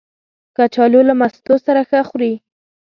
کچالو له مستو سره ښه خوري